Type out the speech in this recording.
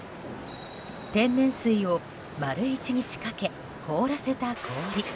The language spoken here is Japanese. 天然水を丸一日かけ凍らせた氷。